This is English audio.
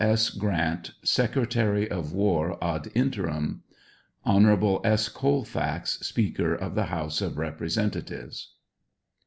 S. GRANT, Secretary of War ad interim. Hon. S. OoLFAX, Speaker of the House of Representatives.